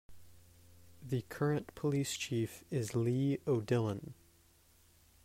The current police chief is Lee O'Dillon.